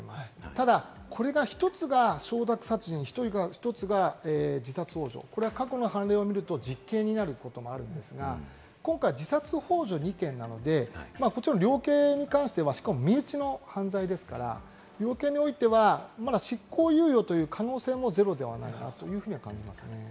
ただこれが１つが承諾殺人、１つが自殺ほう助、これは過去の判例を見ると実刑になることもあるんですが、今回、自殺ほう助２件なので、量刑に関しては身内の犯罪ですから、量刑においてはまだ執行猶予という可能性もゼロではないかなというふうに感じます。